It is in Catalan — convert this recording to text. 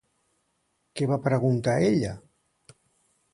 Què va preguntar ella?